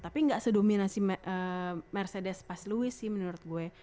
tapi enggak sedominasi mercedes pas lewis sih menurut gue